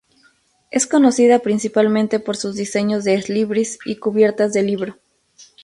Es conocida principalmente por sus diseños de exlibris y cubiertas de libro.